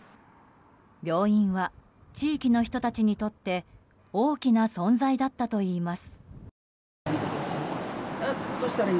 病院は地域の人たちにとって大きな存在だったといいます。